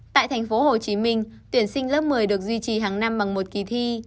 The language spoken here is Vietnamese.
tại thành phố hồ chí minh tuyển sinh lớp một mươi được duy trì hàng năm bằng một kỳ thi